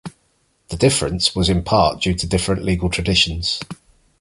The difference was in part due to different legal traditions.